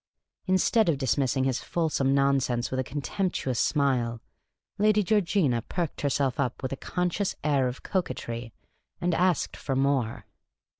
Instead of dismissing his fulsome nonsense with a contemptuous smile, Lady Georgina perked herself up with a conscious air of coquetry, and asked for more.